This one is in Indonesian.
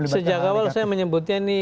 sejak awal saya menyebutnya ini